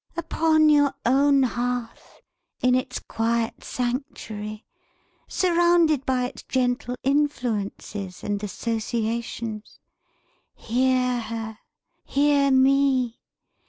Upon your own hearth; in its quiet sanctuary; surrounded by its gentle influences and associations; hear her! Hear me!